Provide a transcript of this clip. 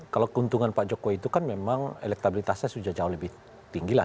kalau keuntungan pak jokowi itu kan memang elektabilitasnya sudah jauh lebih tinggi lah